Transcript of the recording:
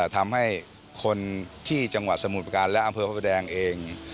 ทำให้คนที่จังหวัดสมุทรประการและอำเภอพระประแดงเอง